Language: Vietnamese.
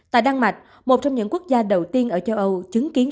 tại đan mạch một trong những quốc gia đầu tiên ở châu âu chứng kiến